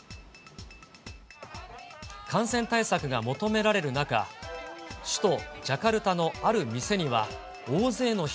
感染対策が求められる中、首都ジャカルタのある店には、大勢の人